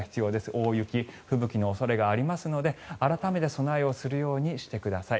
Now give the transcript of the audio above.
大雪、吹雪の恐れがありますので改めて備えをするようにしてください。